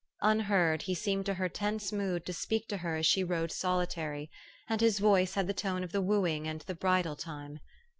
Unheard, he seemed to her tense mood to speak to her as she rode solitary ; and his voice had the tone of the wooing and the bridal time.